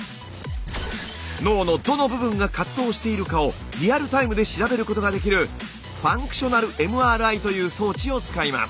脳のどの部分が活動しているかをリアルタイムで調べることができるファンクショナルＭＲＩという装置を使います。